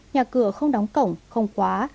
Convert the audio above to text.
nhà cửa không đóng cổng không khóa